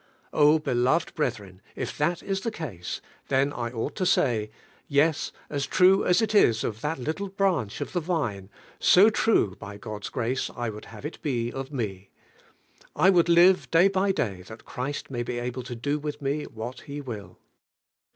Oh, beloved breth ren, if that is the case, then I ought to say: Yes, as trae as it is of that little branch of the vine, so true, by God's grace, l would have ii be of me. 1 would live dlay by day tha< Christ may be able to do with me. what He will.